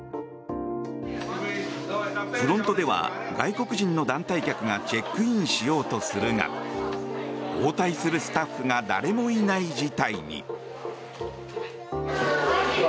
フロントでは外国人の団体客がチェックインしようとするが応対するスタッフが誰もいない事態に。